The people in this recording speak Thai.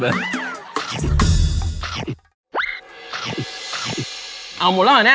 เอาหมดแล้วเหรอเนี่ย